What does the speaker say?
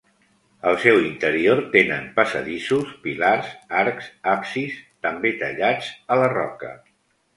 Al seu interior tenen passadissos, pilars, arcs, absis, també tallats a la roca.